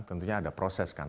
tentunya ada proses kan